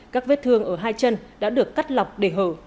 các vết thương ở hai chân đã được cắt lọc để hở